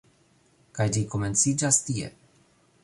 Kaj ĝi komenciĝas tie.